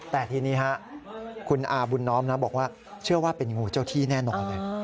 แต่ทีนี้คุณอาบุญน้อมนะบอกว่าเชื่อว่าเป็นงูเจ้าที่แน่นอนเลย